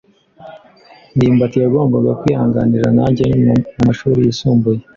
ndimbati yagombaga kwihanganira nanjye mumashuri yisumbuye.